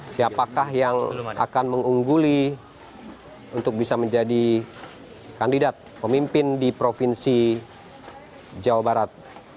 siapakah yang akan mengungguli untuk bisa menjadi kandidat pemimpin di provinsi jawa barat dua ribu delapan belas